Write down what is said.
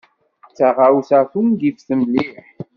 D taɣawsa tungift mliḥ.